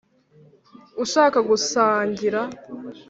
ushaka gusangira